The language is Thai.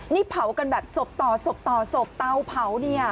นี่เผากันแบบศพต่อศพต่อศพเตาเผาเนี่ย